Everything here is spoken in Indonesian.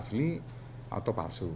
asli atau palsu